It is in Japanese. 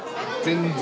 全然。